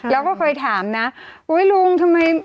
แล้วก็เคยถามนะอุ๊ยลุงทำไม